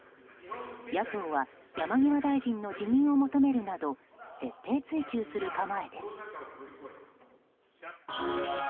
野党は山際大臣の辞任を求めるなど徹底追及する構えです。